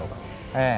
ええ。